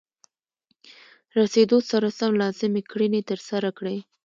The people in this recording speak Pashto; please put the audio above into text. رسیدو سره سم لازمې کړنې ترسره کړئ.